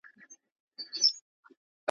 که کرامت وساتل سي ټولنه به پرمختګ وکړي.